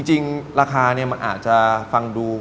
จริงราคามันอาจจะฟังดู